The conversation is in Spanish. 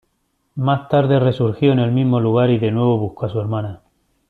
Más tarde resurgió en el mismo lugar y de nuevo buscó a su hermana.